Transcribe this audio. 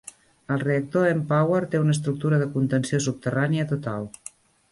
El reactor mPower té una estructura de contenció subterrània total.